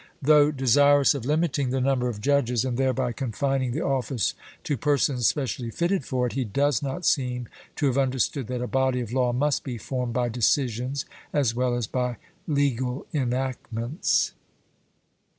Though desirous of limiting the number of judges, and thereby confining the office to persons specially fitted for it, he does not seem to have understood that a body of law must be formed by decisions as well as by legal enactments.